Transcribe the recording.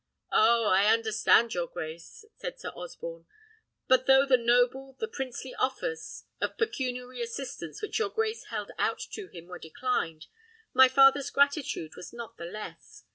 "Oh! I understand your grace," said Sir Osborne. "But though the noble, the princely offers, of pecuniary assistance which your grace held out to him were declined, my father's gratitude was not the less.